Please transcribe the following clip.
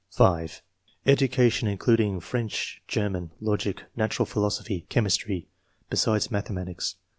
(5) "Education included French, German, logic, natural philosophy, chemistry, besides mathematics.